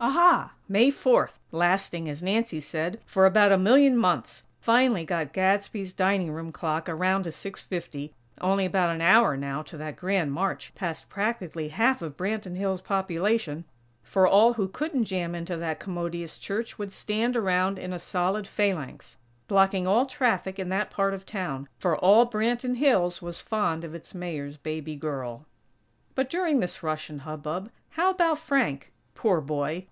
Aha! May Fourth, lasting, as Nancy said, "for about a million months," finally got Gadsby's dining room clock around to six fifty; only about an hour, now, to that grand march past practically half of Branton Hills' population; for all who couldn't jam into that commodious church would stand around in a solid phalanx, blocking all traffic in that part of town; for all Branton Hills was fond of its Mayor's "baby girl." But, during this rush and hubbub, how about Frank? Poor boy!